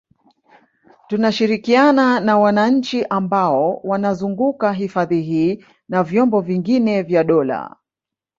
Tunashirikiana na wananchi ambao wanazunguka hifadhi hii na vyombo vingine vya dola